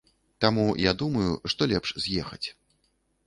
Таму я думаю, што лепш з'ехаць.